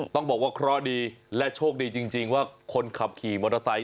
ต้องบอกว่าเคราะห์ดีและโชคดีจริงว่าคนขับขี่มอเตอร์ไซค